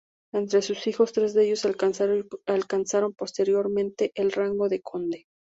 Entre sus hijos tres de ellos alcanzaron posteriormente el rango de conde.